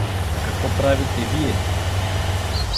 А какво правите вие?